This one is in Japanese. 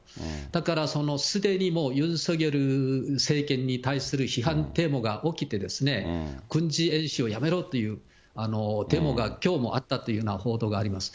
だからすでにもうユン・ソンニョル政権に対する批判というのが起きてですね、軍事演習をやめろというデモがきょうもあったというような報道があります。